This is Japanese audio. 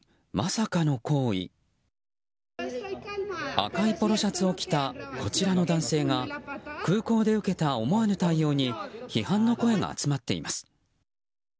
赤いポロシャツを着たこちらの男性が空港で受けた思わぬ対応に批判の声が集まっています。